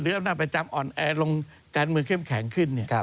อำนาจประจำอ่อนแอลงการเมืองเข้มแข็งขึ้น